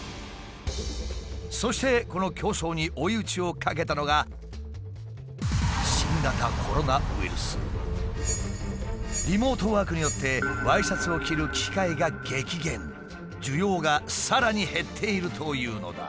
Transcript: そしてこの競争に追い打ちをかけたのがリモートワークによって需要がさらに減っているというのだ。